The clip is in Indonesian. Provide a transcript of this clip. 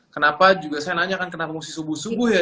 kenapa juga saya nanya kan kenapa mesti subuh sungguh ya